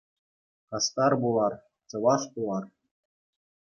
Хастар пулар, чӑваш пулар!